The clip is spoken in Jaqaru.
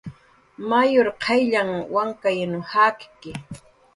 Mayur qayllanh Wankay markanw jakki